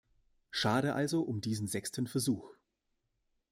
Schade also um diesen sechsten Versuch.